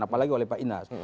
apalagi oleh pak inas